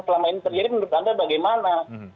selama ini terjadi menurut anda bagaimana